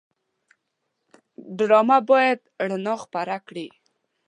ډرامه باید رڼا خپره کړي